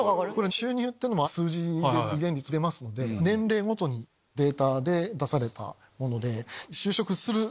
収入も数字で遺伝率出ますので年齢ごとにデータで出されたもので。